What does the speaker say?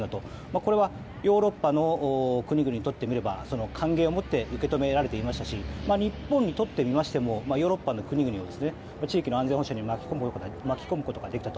これはヨーロッパの国々にとってみれば歓迎を持って受け止められていましたし日本にとってみましてもヨーロッパの国々の地域の安全保障に巻き込むことができたと。